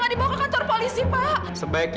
minum unsur sekarang atau